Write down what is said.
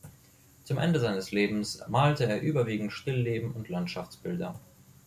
Zum Ende seines Lebens malte er überwiegend Stillleben und Landschaftsbilder.